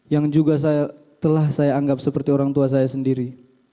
yang juga telah saya anggap seperti orang tua saya sendiri